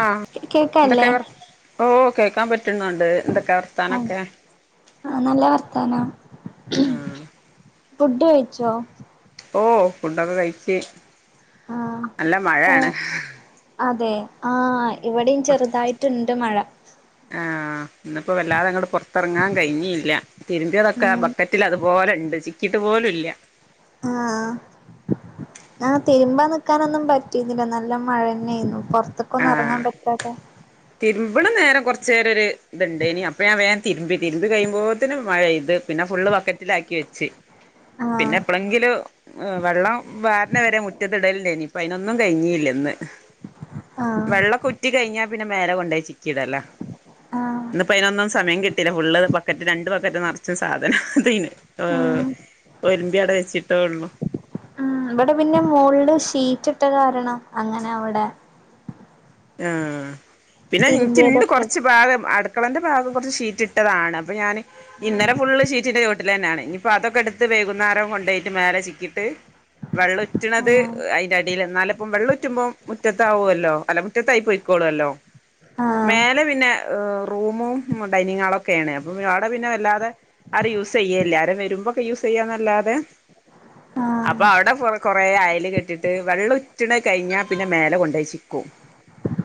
ആ എന്തൊക്കെ കേക്കല്ലേ വർ ഓ കേക്കാൻ പറ്റുന്നുണ്ട് എന്തൊക്കെ വർ ആഹ ആ നല്ല വർത്തനം ആഹ് ഫുഡ് ഓ ഫുഡൊക്കെ കഴച്ച് ആഹ് നല്ല മഴയാണ് ആഹ് അതെ ആഹ ഇവിടെയും ചെറുതായിട്ടുണ്ട് മഴ ആഹ ഇിപ്പോ വല്ലാതെ അങ്ങട്ട് പുറത്തിറങ്ങാൻ കഴിഞ്ഞി ഇല്ല തിരുമ്പിയതൊക്കെ ഉം ബ റ്റില് അതുപോലെ ഉണ്ട് ചിക്കിയിട്ട് പോല ഇല്ല ആഹ ഞാ തിരുമ്പ നിക്കാനൊന്നും പറ്റിുന്നില്ല നല്ല മഴന്നെയിരുന്നു പുറത്തക്ക ഒന്നും ഇറങ്ങാൻ പറ്റാതെ രുമ്പടും നേരം കുറച്ചു നേര ഒരു ഇതുണ്ട് ഇനി അപ്പൊ ഞാ വേൻ തിരുമ്പി തിരു കഴിയുമ്പോ ത്തിന് മഴെയ്ത് പിന്നെ ഫുള്ള് ബക്കറ്റിലാക്കി വെച്ച് ആഹ് പിന്നെ എപ്പളങ്കിലും വെള്ളം വാരന വരെ മുറ്റത്തിടലണ്ടായിനി ഇപ്പ അതിനൊന്നും കഴിഞ്ഞിയില്ലന്ന് ആഹ് വെള്ള ഉറ്റി കഴിഞ്ഞാ പിന്നെ മേല കൊണ്ടോ ചിക്കീടല ആഹ് ഇന്നപ്പോ അതിനൊന്നും സമയം കിട്ടിയി ഫുള് ബക്കറ്റ് രണ്ട് ബക്കറ്റ് നിറച്ച സാധനം തീന് ആഹ് ഒരുമ്പി അടെ വെച്ചിട്ടേ ഒള്ളൂ ഉം ഇവിടെ പിന്നെ മുളിൽ ഷീറ്റ് ഇട്ട കാരണം അങ്ങനെ അവിടെ ആഹ പിന്നെ എനിക്കിണ്ട് തിരുമ്പിയതൊക്കെ കുറച്ച് ഭാഗം അടു കക്കളൻ്റൊഗ കുറച്ച് ീറ്റ് ഇട്ടതാണ് അപ്പോൾ ഞാന് ഇന്നല ഫള്ഷീറ്റിന്റെ തോട്ടിൽ തന്നെയാണ് ഇനിയിപ്പോ അതൊക്കെ എടുത്ത് വൈകുന്നേരം കൊണ്ട പോയിട്ട്േലെ ചിക്കിട്ട് വെള്ളം ഉറ്റണത് ആഹ് അടിയിൽ എന്നാല ഇപ്പം വെള്ളംുറ്റുമ്പോ മുറ്റത്താവുവല്ലോ അല്ല മുറ്റത്തായി പോയിക്കോളൂല്ലോ ആഹ് മേലെ പിന്നെ റൂമും ഡൈനിങ് ഹാള ഒക്കെയ ആാണ് അപ്പൊ അവിടെ പിന്നെ വല്ലാതെ അത് യൂസ് ചെയ്യേലാ എല്ലാരും വരുമ്പോക്കെ യൂസ് ചെയ്യാനല്ലാതെ ആഹ് അപ്പൊ അവിടെ കൊറെ അയല് കെട്ടി വെള്ളം ഉറ്റണ കഴിഞ്ഞാൽ പിന്നെ മേലെ കൊണ്ടെ ച്ചിക്കും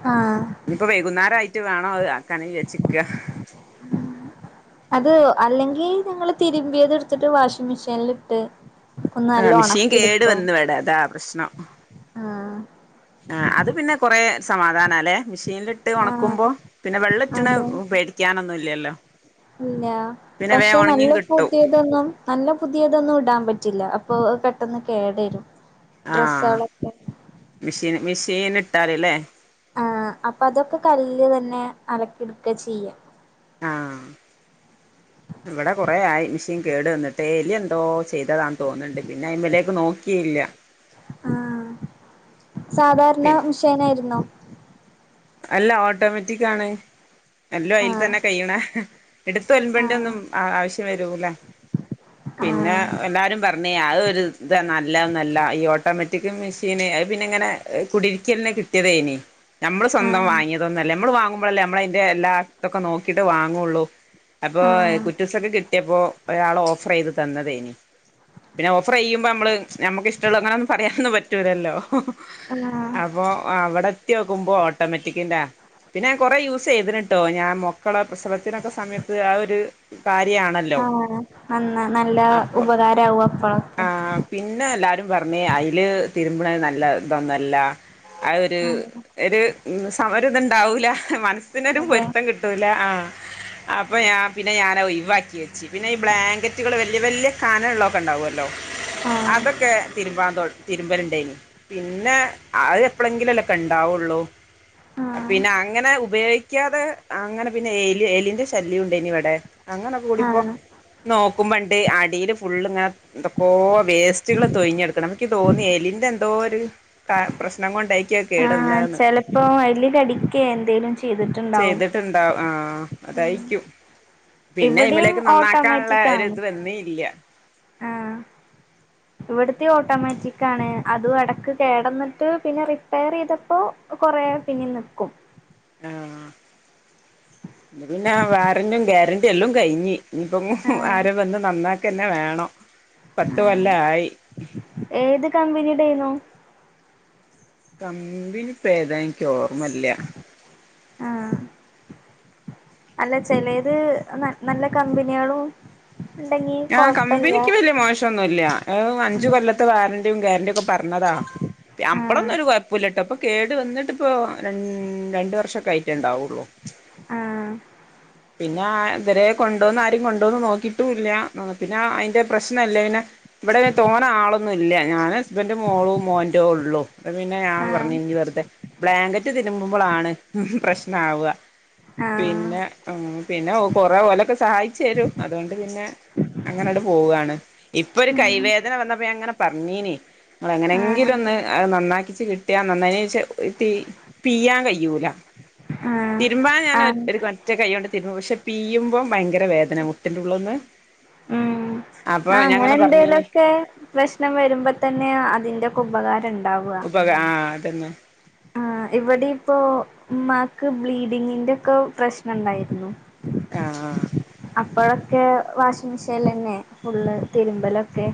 ആ ഇനിയിപ്പോ വൈകുന്നേരായിട്ട് വേണോ അത് ആക്കാനെക്ക് വെച്ചിക്കുക അത് അല്ലെങ്കി ഞങ്ങള് തിരുമ്പിയത് എടുത്തിട്ട് വാഷിംഗ് മെഷീനിൽ ഇട്ട് ഒന്ന് ആ നല്ല മിഷീൻ ഉണക്കി കേടു എടുക്കും വന്നുവടാ അതാ പ്രശ്നം ആഹ് ആ അത് പിന്നെ കൊറെ സമാധാനം അല്ലെ മെഷീനിൽ ഇട്ട് ആഹ് ഒണക്കുമ്പോ പിന്നെ വെള്ളിറ്റണ് അതെ പേടിക്കാനൊന്നും ഇല്ലല്ലോ ഇല്ലാ പിന്നെ വേം പക്ഷെ നല്ല ഒണങ്ങിയും കിട്ടും പുതിയതൊന്നും നല്ല പുതിയതൊന്നും ഇടാൻ പറ്റില്ലാ അപ്പൊ പെട്ടെന്ന് കേടരും ആ ഡ്രസ്സുകളൊക്കെ മെഷീന് മെഷീൻ ഇട്ടാലല്ലേ ആ അപ്പ അതൊക്കെ കല്ല് തന്നെ അലക്കിടുക്ക ചെയ്യാം ആ ഇവിടെ കുറെ ആ മെഷീൻ കേടു വന്നിട്ട് എലി എന്തോ ചെയ്തതാന്ന് തോന്നുന്നുണ്ട് പിന്നെ അയ്മലേക്ക് നോക്കിയില്ലാ ആ സാധാരണ പിന്നെ മിഷേനായിരുന്നോ അല്ല ഓട്ടോമാറ്റിക് ആണ് എല്ലോ അയിൽ ആഹ് തന്നെ കഴ്ണേ എടുത്ത ഒലമ്പണ്ട ആഹ് ഒന്നും ആവശ്യം വരൂല്ലാ പിന്നെ ആഹ് എല്ലാവരും പറഞ്ഞ് അതൊരു ഇതാ നല്ലൊന്നല്ലാ ഈ ഓട്ടോമാറ്റിക് മെഷീന് പിന്നെ ഇങ്ങനെ കുടിരിക്കലിന്നെ കിട്ടിയതേനി നമ്മള് സ്വന്തം ആഹ് വാങ്ങിയതൊന്നുല്ലേ നമ്മള് വാങ്ങുമ്പോ ല്ലേ നമ്മളതിന്റെ എല്ലാത്തൊക്കെ നോക്കീട്ട് വാങ്ങോള്ളു അപ്പൊ ആഹ് കുറ്റസൊക്കെ പ്പോ ഒരാള് ഓഫറ് യ്ത് തന്നതേനി പിന്നെ ഓഫറ് ചെയ്യുമ്പോ നമ്മള് നമ്മുക്ക് ഇഷ്ടോള്ളൂ അങ്ങനൊന്നും പറയാനൊന്നും പറ്റൂലല്ലോ ആഹ് അപ്പൊ ഇവിടെ എത്തി ക്കുമ്പോ ഓട്ടോമാറ്റിക്കിന്റെ പിന്നെ ഞാൻ കൊറെ യൂസ് ചെയ്തിട്ടോ ഞാൻ മക്കളെ പ്രസവത്തിനൊക്കെ സമയത്ത് ആ ഒരു കാര്യയാണല്ലോ ആഹ് നന്ന നല്ല ഉപകാരാവും അപ്പ ഒക്കെ ആ പിന്നെ എല്ലാരും പറഞ്ഞ് അയില് തിരുമ്പണ നല്ല ഇതൊന്നല്ലാ ആ ഒരു ഒരു സമരം ഇതുണ്ടാവൂലാ മനസ്സിനൊരു അതെ പൊരുത്തം കിട്ടും ട്ടൂലാ ആഹ് അപ്പോം ഞാൻ പിന്നെ ഞാൻ ഒഴിവാക്കി വെച്ചു പിന്നെ ഈ ബ്ലാങ്കറ്റുകള് വല്യ വല്യ കനള്ളൊക്കെ ണ്ടാവൊല്ലോ ആഹ് അതൊക്കെ തിരുമ്പാന്തോട് തിരുമ്പല്ണ്ടേയ്നി പിന്നെ അത് എപ്പളെങ്കിലൊലൊക്കെ ഇണ്ടാവുള്ളൂ ആഹ് പിന്നെ അങ്ങനെ ഉപയോഗിക്കാതെ അങ്ങനെ പിന്നെ എലി എലീന്റെ ശല്യയുണ്ടായിനി ഇവടെ അങ്ങനൊക്കെ കൂടി ഇപ്പോ ആഹ് നോക്കുമ്പണ്ട് അടിയില് ഫുള്ള് ഇങ്ങനെ എന്തൊക്കോ വേസ്റ്റുകള് തൊയിഞ്ഞടുക്കണ് അപ്പക്കി തോന്നി എലിൻ്റെ എന്തോ ഒര് പ്ര പ്രശ്നം കൊണ്ടായിക്കു അകേടുന്നെന്ന് പ്പൊ എല്ലിന്റെ അടിക്കെ എന്തേലും ചെയ്തിട്ടുണ്ടാവും ട്ട്ണ്ടാവ് ആഹ് അതായിരിക്കും പിന്നെ ഇവിടെയും അയ്മലേക്ക് നന്നാക്കാൻ ള്ളെ ഓട്ടോമാറ്റിക് ഒരു ആണ് ഇത് വന്നീ യില്ല്യ ഇവിട്ത്തെ ഓട്ടോമാറ്റിക് ആണ് അതും എടക്ക് കേടെന്നിട്ട് പിന്നെ റിപ്പയർ ചെയ്തപ്പോ പ്പൊ കൊറെ പിന്നെ നിക്കും ആഹ് ഇത്‌ പിന്നെ വാറൻ്റീം ഗ്യാരൻ്റീ എല്ലം കഴിഞ്ഞ് ഞ്ഞിപ്പം ആഹ് ആരേം വന്ന് നന്നാക്കെന്നെ വേണം പത്ത് ആഹ് കൊല്ലായി ഏത് കമ്പനിയുടേന്നു കമ്പിനിപ്പേതാ ഇനിക്ക് ഓർമ്മല്ല്യ ആഹ് അല്ല ചെലേത് ന്ന നല്ല കമ്പിനിയേളും ആഹ് കമ്പനിക്ക് വല്യ മോശൊന്നുല്ല്യ അഞ്ച് കൊല്ലത്തെ വാറണ്ടറിയും ഗ്യാരന്റിയും ഒക്കെ പറഞ്ഞതാ ആഹ് അപ്പളൊന്നും ഒരു കൊഴ്പ്പൂല്ലട്ടോ ഇപ്പൊ കേട് വന്നിട്ട് ഇപ്പൊ ര രണ്ട് വർഷൊക്കെ ആയിറ്റേ ഇണ്ടാവുള്ളൂ ആഹ് പിന്നെ ഇവരെ കൊണ്ടോന്ന് ആരും കൊണ്ടോന്ന് നോക്കീട്ടുല്ലാ ആഹ് പിന്നെ അയിന്റെ പ്രശ്നല്ലേയ്നെ ഇവടെങ്ങെ തോന ആളൊന്നുഇല്ല ഞാൻ ഹസ്ബൻഡ് മോളും മോന്റഉം ഒള്ളു അപ്പ പിന്നെ ഞാൻ പറഞ്ഞ് ആഹ് ഇഞ്ഞ് വെർതെ ബ്ലാങ്കറ്റ് തിരുമ്പുമ്പളാണ് പ്രശ്നാവ്അ ആഹ് പിന്നെ ഉം പിന്നെ ഒ കുറേ ഓലൊക്കെ സഹായിച്ചെരും അതോണ്ട് പിന്നെ അങ്ങനാണ്ട് പോവാണ് ഇപ്പൊ ഒരു ഉം കൈവേദന വന്നപ്പോ ഞാൻ ങ്ങനെ പർഞ്ഞീനി ങ്ങള് ആഹ് എങ്ങനെങ്കിലൊന്ന് അത് നന്നാക്കിച്ച് കിട്ടിയാ നന്നായിനിച്ച ഇ തീ പിയാൻ കയ്യുല ആഹ് തിരുമ്പാൻ ഞാൻ ആഹ് ഒരു ഒറ്റ കയ്യോണ്ട് തിരുമ്പും പക്ഷെ പീയുമ്പം ഭയങ്കര വേദന മുട്ടിന്റെ ഉള്ള്ന്ന് ഉം ആഹ് പറഞ്ഞീന് അങ്ങനെന്തേലൊക്കെ പ്രശ്നം വരുമ്പതന്നെ അതിന്റൊക്കെ ഉപകാരം ഇണ്ടാവ്അ [unintelligible] ആഹ് അതന്നെ ആഹ് ഇവിടിം ഇപ്പോ ഉമ്മാക്ക് ബ്ലീഡിങ്ങിന്റെ ഒക്കെ പ്രശ്നണ്ടായിരുന്നു ആഹ് അപ്പോഴൊക്കെ വാഷിംഗ് മെഷീൻലെന്നെ ഫുള്ള് തിരുമ്പലൊക്കെ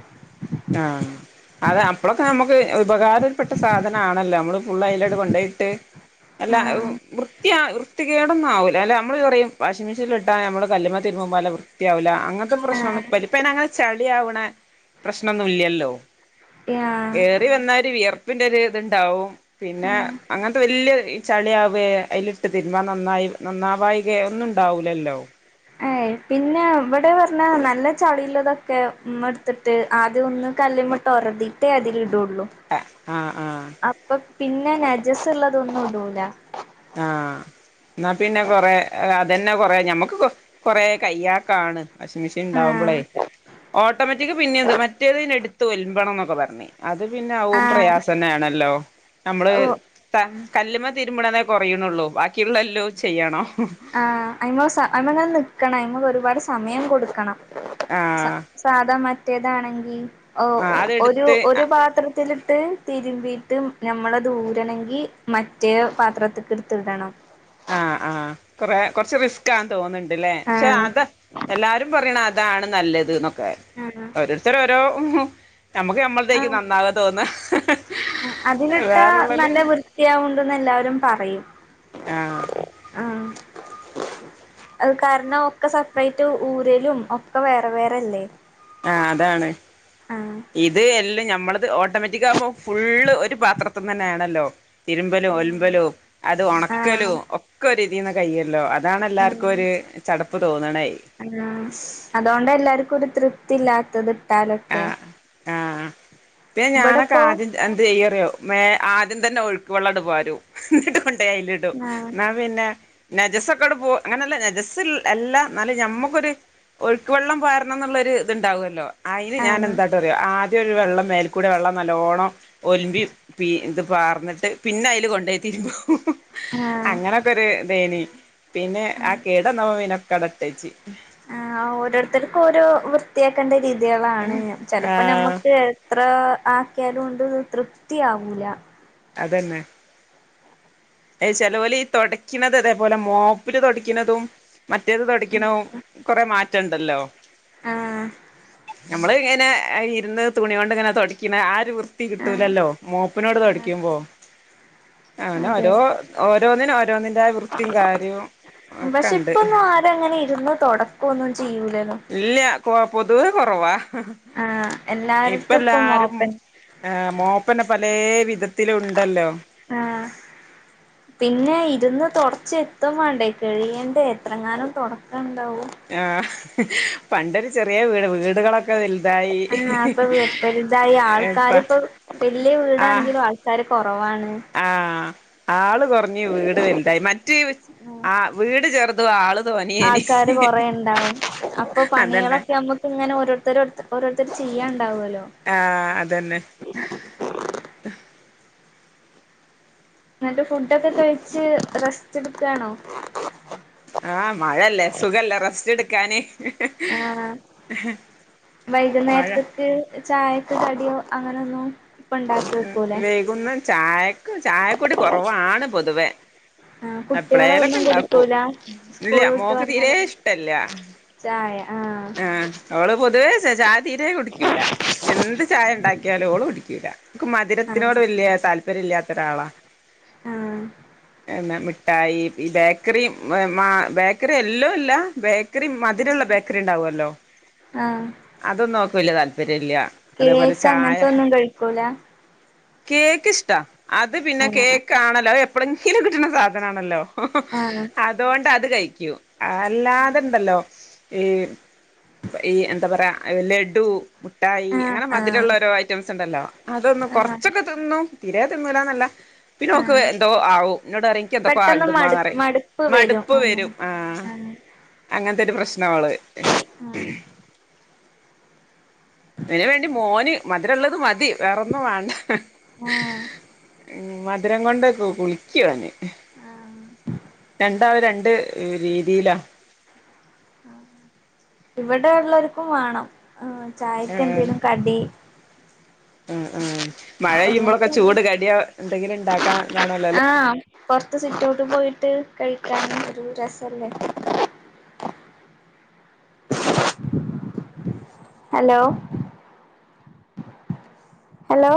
ആഹ് അതാ അപ്പളൊക്കെ നമ്മക്ക് ഉപകാരപ്പെട്ട സാധനാണല്ലോ നമ്മള് ഫുള്ള് അയ്ലാണ്ട് കൊണ്ടോയിട്ട് അല്ല ആഹ് വൃത്തിയാ വൃത്തികേടൊന്നും ആവൂല അല്ല അമ്മ്ള് പറയും വാഷിംഗ് മെഷീനൽ ഇട്ടാ നമ്മള് കല്ല്മ്മെ തിരുമുമ്പൊല്ല വൃത്തിയാവുല്ല അങ്ങനത്തെ പ്രശ്‌നൊന്നും ആഹ് ഇപ്പല്ല ഇപ്പയ്നങ്ങന ചെളിയാവണ പ്രശ്നൊന്നും ഇല്ലല്ലോ ഏറി വന്ന ഒരു വിയർപ്പിന്റെ ഒരു ഇത്ണ്ടാവും പിന്നെ ആഹ് അങ്ങനത്തെ വല്ല്യെ ചളിയാവേ അയ്ല് ഇട്ട് തിര്മ്പഅ നന്നായി നന്നാവായികേ ഒന്നും ണ്ടാവൂലല്ലോ ഏയ് പിന്നെ ഇവിടെ പറഞ്ഞാ നല്ല ചളി ഉള്ളതൊക്കെ ഇമ്മട് ത്തിട്ട് ആദ്യൊന്ന് കല്ല്മ്മെട്ട് ഒരതീട്ടേ അതിൽ ഇടുള്ളൂ ആഹ് ആഹ് അപ്പൊ പിന്നെ നജസ് ഉള്ളതൊന്നും ഇടൂല ആഹ് എന്നാ പിന്നെ കൊറേ അതന്നെ കൊറേ ഞമ്മക്ക് കൊറേ കയ്യാക്കാണ് വാഷിംഗ് മെഷീൻ ണ്ടാവുമ്പളേ ആഹ് ഓട്ടോമാറ്റിക്ക് പിന്നെ എന്ത് മറ്റേത് എടുത്ത് ഒൽമ്പണം എന്നൊക്കെ പറഞ്ഞഞ് അത് പിന്നെ ആവും പ്രയാസ ന്നെയ ആണല്ലോ നമ്മള് ഓ കല്ല്മ തിരുമ്മണേ കുറയുന്നുള്ളൂ ക്കിയുള്ളല്ലോ ചെയ്യണോ ആഹ് അയ്മ അമ്മ ഞാൻ നക്കണം അയ്മക്ക് ഒരുപാട് സമയം കൊടുക്കണം ആഹ് സാധ മറ്റേതാണെങ്കിൽ ആഹ് ഒരു അതെടുത്ത് ഒരു പാത്രത്തിലിട്ട് തിരുമ്പീയിട്ട് നമ്മളത് ഊരണമെങ്കി മറ്റേ പാത്രത്തക്ക എടുത്ത് ഇടണം ആഹ് ആഹ് കൊറ കുറച്ച് റിസ്ക്ക് തോന്നുന്നുണ്ട്ല്ലേ പക്ഷെ ആഹ് അത് എല്ലാരും പറിണ അതാണ് നല്ലത് എന്നൊക്കെ ആഹ് ഓരോരുത്തരോഓരോ നമ്മക്ക് നമ്മളത്തേക്ക് ആഹ് നന്നാവാ തോന്നുന്നു അതിലിട്ടാ വേറെള്ളല് നല്ല വൃത്തിയാവുണ്ടെന്ന് എല്ലാവരും പറയും ആഹ് ആഹ് അത് കാരണം ഒക്കെ സെപ്പറേറ്റ് ഊരലും ഒക്കെ വേറെ വേറെല്ലേ ആ അതാണ് ആഹ് ഇത് എല്ലാം നഞമ്മളത് ഓട്ടോമാറ്റിക് അമ്പോ ഫുള്ള് ഒരു പാത്രത്തി തന്നെയ ആണല്ലോ തിരുമ്പലും ഒലമ്പലും അത് ഉണക്കലും ആഹ് ഒക്കെ രീതിന്ന് കൈല്ലോ അതാണ് എല്ലാവർക്കും ഒരു ചടപ്പ് തോന്നണേ ആ അതുകൊണ്ട് എല്ലാർക്കും ഒരു തൃപ്തി ഇല്ലാത്തത് ഇട്ടാലൊക്കെ ആഹ് ആഹ് പിന്നെഞാനൊക്കെ ഇവിടെപ്പോ ആദ്യം എന്ത് ചെയ്യറിയോ മ ആദ്യം തന്നെ ഒഴുക്ക് വെള്ളംടു പരു എന്നിട്ട കൊണ്ടേ ഐലിഡും ആഹ് എന്നാ പിന്നെ നജസ ഒക്കെോട് പോ അങ്ങനെയല്ല നജസ് എല്ല എന്നാല മ്മക്കൊരു ഒഴുക്ക് വള്ളം പാരണംന്നുള്ളൊരു ത്ണ്ടാവല്ലോ അയിന് ഞാൻ ആഹ് എന്താട്ടറിയോ ആദ്യം ഒരു വെള്ളം മേൽക്കൂടെ വെള്ളം നല്ലോണം ഒൽമ്പി പീ ഇത് പാർന്നിട്ട് പിന്നെ അയില് കൊണ്ടേയിട്ട് ആഹ് തിര്മ്പുംഅങ്ങനെെ ക്കരു ഇതേനി പിന്നെ ആ കേടന്ന ഒക്കെഅടെ ഇട്ടേച്ച് ആ ഓരോരുത്തർക്കും ഓരോ വൃത്തിയാക്കേണ്ട രീതിയളാണ് ചെലപ്പോ ആഹ് നമ്മക്ക് ത്ര ആക്കിയാലുണ്ട് തൃപ്തിയാവൂല അതന്നെ എ ചെലോൽ ഇ തൊടക്ന്നത് ഇതേപോലെ മോപ്പില് തൊടക്കിണതും മറ്റേത് തൊടിക്കണോ ആഹ് കൊറേ മാറ്റംണ്ടല്ലോ ആഹ് നമ്മള് ഇങ്ങനെ ഐ ഇര്ന്ന് തുണിയോണ്ട് ങ്ങനെ തൊടിക്ണ ആ രു വൃത്തി കിട്ടൂലല്ലോ ആഹ് മോപ്പിനോട് തൊടിക്കുമ്പോ അങ്ങനെ അതെ ഓരോ ഓരോന്നിനും ഓരോന്നിന്റെ വൃത്തിം കാര്യവും ഒക്കെണ്ട് [unintelligible] ങ്ങനെ ഇരുന്നു തൊടക്കൊന്നും ചെയ്യൂലല്ലോ ഇല്ല കൊ പൊതുവേ കൊറവാ ആഹ് എല്ലാരത്തും പ്പൊ മോപ്പൻ ആഹ് മോപ്പന്നെ പലേ വിധത്തിലു ഉണ്ടല്ലോ ആഹ് പിന്നെ ഇരുന്ന് തൊടച്ച് എത്തും വാണ്ടേ കയ്യേണ്ടേ എത്രങ്ങാനും തൊടക്കാണ്ടാവും ആ പണ്ടൊരു ചെറിയ വീട് വീടുകളൊ ആ അപ്പൊ [unintelligible] ഇപ്പ ആൾക്കാര് ഇപ്പോ വല്യ വീടാണെങ്കിലും ആ ക്കാര് കൊറവാണ് ആ ആള് കുറഞ്ഞ് വീട് വൽതായി മറ്റ് [unintelligible] ആ വീട് ചെറുതു ആള് തോന്നിയേനി ആൾക്കാര് കൊറേ ഇണ്ടാവും അപ്പൊ അതന്നെ പണികളൊക്കെ നമ്മുക്ക് ഇങ്ങനെ ഓരോരുത്തരർത്തർ ഓരോരുത്തര് ചെയ്യാണ്ടാവോല്ലോ ആ അതന്നെ.. ഹ് ന്നട്ട് ഫുഡൊക്കെ കഴിച്ച് റെസ്റ്റ് ട്ക്കാണോ ആ മഴല്ലേ സുഖല്ലേ റസ്‌റ്റ്ട്ക്കാന് മഴ ആവൈകുന്നേര്ത്ത്ക്ക് ചായക്ക് കടിയോ അങ്ങനൊന്നും ഇപ്പ ഉണ്ടാക്കി ഉം വെക്കൂലേ വൈകുന്ന ചായക്ക് ചായകുടി കൊറവാണ് പൊതുവെ ആ എപ്പളേലൊക്കെ കുട്ട്യാളൊന്നും ഉണ്ടാക്കും കുടിക്കൂല സ്കൂള് ഇല്ല വിട്ട് മോക്ക് തീരെ വന്നാലൊക്കെ ഇഷ്ടല്ല ചായ ആഹ് അവള് പൊതുവേ ച ചായ തീരേ കുടിക്കൂല ഇനെന്ത് ചായ ണ്ടാക്കിയാലു ഓള് കുടിക്കൂല മതിരത്തിനോട് ആഹ് വല്യ താല്പര്യം ഇല്ലാത്ത ഒരാളാ ആഹ് [unintelligible] മിഠായി ഈ ബേക്കറി മെ മാ ബേക്കറി എല്ലോ ല്ല ബേ ക്കറി മതിരുള്ള ബേക്കറി ണ്ടാവോല്ലോ ആഹ് അതൊന്നും ഓക് വല്യ താല്പര്യല്ല അതേപോലെ കേക്ക് അങ്ങൻത്തൊന്നും കഴിക്കൂല കേക്കിഷ്ടാ അത് പിന്നെ ആഹ് കേക്കാണല്ലൊ. അത് എപ്പളെങ്കിലും കിട്ട്ണ സാധനാണല്ലോ. ഹ് ഹും ആഹ് ആഹ് അതോണ്ട് അത് കഴിക്കും അല്ലാതണ്ടല്ലോ ഈ ഈ എന്താ പറയാ ലഡ്ഡു മുട്ടായി അങ്ങനെ ആഹ് മതിരള്ളൊരു ഐറ്റംസ് ണ്ടല്ലോ അതൊന്നും ആഹ് കൊറച്ചൊക്കെ തിന്നും തീരെ തിന്നൂലാന്നല്ല പിന്നെ ഓക്ക് ആഹ് എന്തോ ആവും ന്നോടറിം ക് എന്തൊക്കോ പെട്ടെന്ന് ആവ്ണ് മടു മ്മാന്നറീം മടുപ്പ് വരുംഅങ്ങനെ ആഹ അങ്ങൻത്തൊരു പ്രശ്നവള് ആഹ് അതിന് വേണ്ടി മോന് മധുരള്ളത് മതി വേറൊന്നും വാണ്ട ഹ് ആഹ് ഹ് ഉം മധുരം കൊണ്ട് കു കുളിക്ക്യുവന് ആഹ് രണ്ടാള് രണ്ട് [unintelligible] രീതിയിലാണ് ആ ഇവിടെ ള്ളോര്ക്കും വാണം ആ ചായക്കന്തേലും കടി ആ ആഹ് മഴയ്യുമ്പോഴൊക്കെ എങ്ങനത്തെല്ല ചൂട് കട്യോന്തെങ്കിലും ഇ ണ്ടാക്കാന്നാ ണല്ലോല്ലേ. ആഹ് പൊറത്ത് സിറ്റൗട്ട്പോയിട്ട്, കഴിക്കാനും ഒരു രസല്ലേ. Hello... hello.